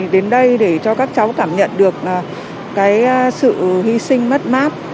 đến đây để cho các cháu cảm nhận được sự hy sinh mất mát